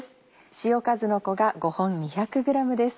塩かずのこが５本２００ｇです。